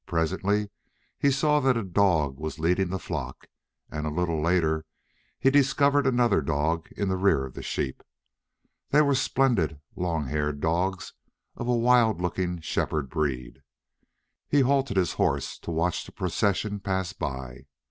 Presently he saw that a dog was leading the flock, and a little later he discovered another dog in the rear of the sheep. They were splendid, long haired dogs, of a wild looking shepherd breed. He halted his horse to watch the procession pass by.